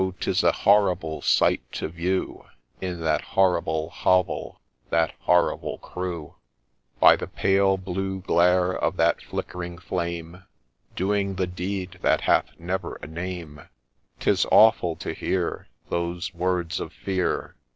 'tis a horrible sight to view, In that horrible hovel, that horrible crew, THE NURSE'S STORY By the pale blue glare of that flickering flame, Doing the deed that hath never a name I "Tie awful to hear Those words of fear